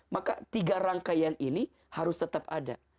maka tiga rangkaian ini harus tetap ada